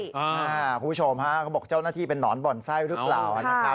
คุณผู้ชมฮะเขาบอกเจ้าหน้าที่เป็นนอนบ่อนไส้หรือเปล่านะครับ